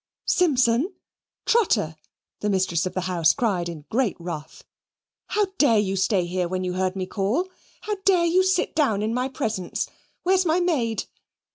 "Simpson! Trotter!" the mistress of the house cried in great wrath. "How dare you stay here when you heard me call? How dare you sit down in my presence? Where's my maid?"